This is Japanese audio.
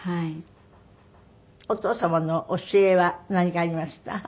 お父様の教えは何がありました？